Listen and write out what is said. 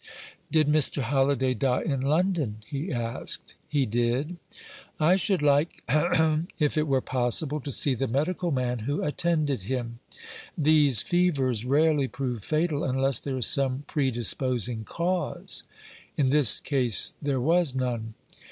"Did Mr. Halliday die in London?" he asked. "He did." "I should like ahem if it were possible, to see the medical man who attended him. These fevers rarely prove fatal unless there is some predisposing cause." "In this case there was none."